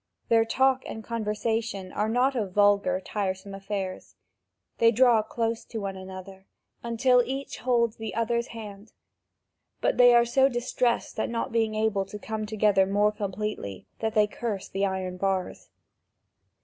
Their talk and conversation are not of vulgar, tiresome affairs. They draw close to one another, until each holds the other's hand. But they are so distressed at not being able to come together more completely, that they curse the iron bars.